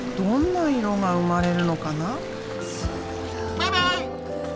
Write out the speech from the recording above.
バイバイ！